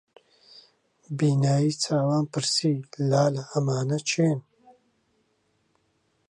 بینایی چاوان پرسی: لالە ئەمانە کێن؟